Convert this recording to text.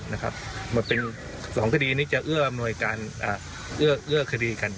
เหมือนเป็น๒คดีจะเอื้อคดีกัน